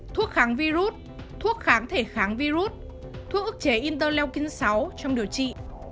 thuốc kháng virus thuốc kháng thể kháng virus thuốc ức chế interleukin sáu trong điều trị